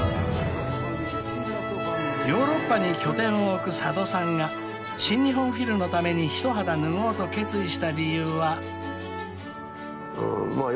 ［ヨーロッパに拠点を置く佐渡さんが新日本フィルのために一肌脱ごうと決意した理由は］